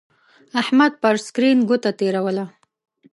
احمد پر سکرین گوته تېروله.